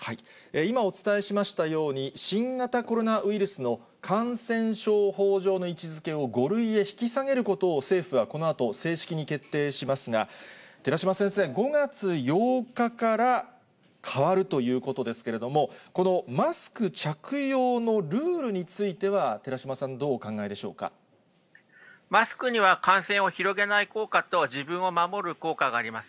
今お伝えしましたように、新型コロナウイルスの感染症法上の位置づけを５類へ引き下げることを、政府はこのあと、正式に決定しますが、寺嶋先生、５月８日から変わるということですけれども、このマスク着用のルールについては、寺嶋さん、どうお考えでしょマスクには感染を広げない効果と、自分を守る効果があります。